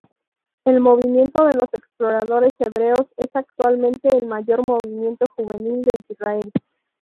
El movimiento de los exploradores hebreos, es actualmente el mayor movimiento juvenil de Israel.